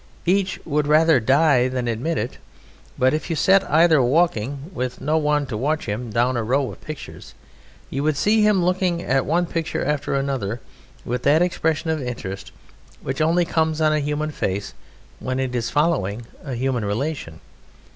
Each would rather die than admit it, but if you set either walking, with no one to watch him, down a row of pictures you would see him looking at one picture after another with that expression of interest which only comes on a human face when it is following a human relation.